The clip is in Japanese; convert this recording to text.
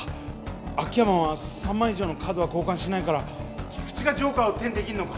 秋山は３枚以上のカードは交換しないから菊地がジョーカーを手にできんのか。